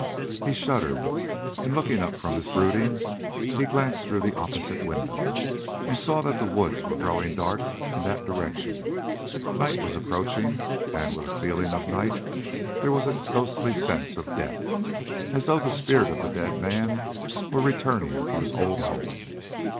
He shuddered, and looking up from his broodings, he glanced through the opposite window and saw that the woods were growing dark in that direction. Night was approaching, and, with the feeling of night, there was a ghostly sense of death, as though the spirit of the dead man were returning to his old home.